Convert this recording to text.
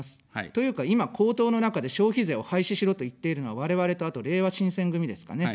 というか今、公党の中で消費税を廃止しろと言っているのは我々と、あと、れいわ新選組ですかね。